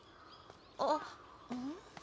あっ。